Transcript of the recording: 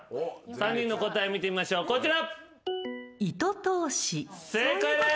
３人の答え見てみましょうこちら。